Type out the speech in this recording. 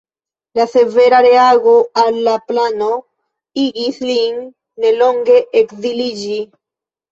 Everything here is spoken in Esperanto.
La severa reago al la plano igis lin nelonge ekziliĝi.